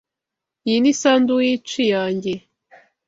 Iyi ni sandwich yanjye.